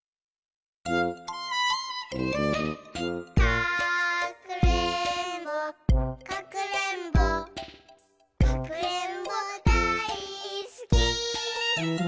かくれんぼかくれんぼかくれんぼだいすき！